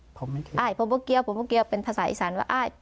ผมไม่เกี่ยวผมไม่เกี่ยวผมไม่เกี่ยวเป็นภาษาอีสานว่า